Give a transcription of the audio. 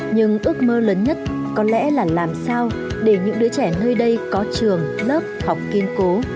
nhưng ước mơ lớn nhất có lẽ là làm sao để những đứa trẻ nơi đây có trường lớp học kiên cố